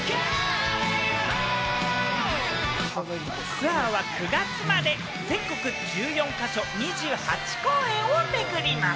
ツアーは９月まで、全国１４か所２８公演を巡ります。